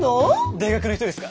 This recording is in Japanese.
大学の人ですか？